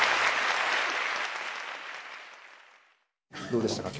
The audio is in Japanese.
どうでしたか？